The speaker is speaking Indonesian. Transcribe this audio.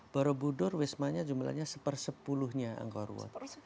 borobudur jumlahnya jumlahnya sepuluhnya angkor wat